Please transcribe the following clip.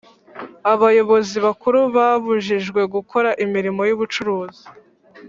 Abayobozi bakuru babujijwe gukora imirimo y ubucuruzi